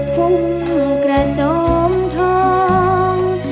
พุ่งกระจมทอง